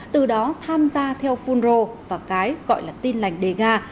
từ đó tham gia theo phun rô và cái gọi là tin lành đề ga